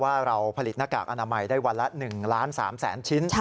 ว่าเราผลิตหน้ากากอนามัยได้วันละ๑ล้าน๓แสนชิ้น